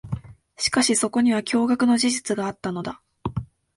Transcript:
しかし、そこには驚愕の真実があったのだ。